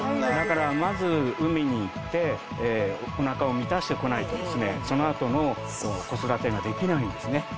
だからまず海に行っておなかを満たしてこないとその後の子育てができないんですね。